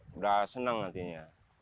sudah senang nantinya